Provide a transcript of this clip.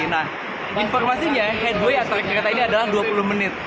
nah informasinya headway atau kereta ini adalah dua puluh menit